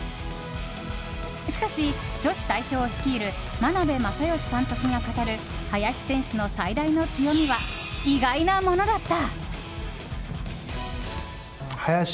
しかし、女子代表を率いる眞鍋政義監督が語る林選手の最大の強みは意外なものだった！